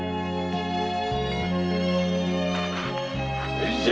先生！